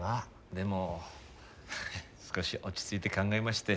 でも少し落ち着いて考えまして。